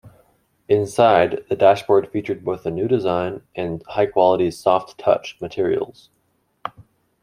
Inside, the dashboard featured both a new design, and high quality 'soft touch' materials.